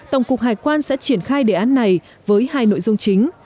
tổng cục hải quan sẽ triển khai đề án này với hai nội dung chính